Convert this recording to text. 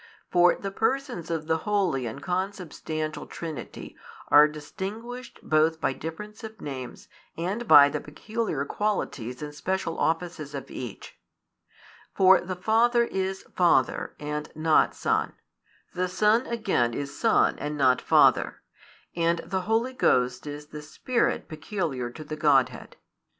For the Persons of the Holy and Consubstantial Trinity are distinguished both by difference of names and by the peculiar qualities and special offices of each: for the Father is Father and not Son, the Son again is Son and not Father, and the Holy Ghost is the Spirit peculiar to the Godhead.